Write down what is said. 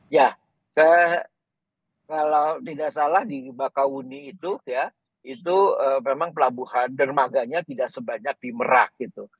ya kalau tidak salah di bakauni itu ya itu memang pelabuhan dermaganya tidak sebanyak di merak gitu